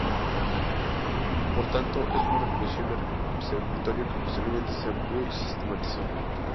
Por tanto, es una recopilación de repertorio, que posteriormente se amplió y sistematizó.